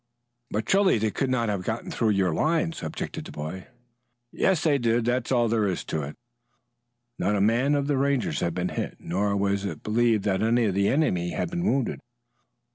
"But surely they could not have got through your lines," objected the boy. "Yet they did. That's all there is to it." Not a man of the Rangers had been hit, nor was it believed that any of the enemy had been wounded.